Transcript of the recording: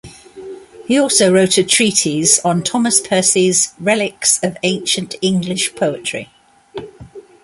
He also wrote a treatise on Thomas Percy's "Reliques of Ancient English Poetry".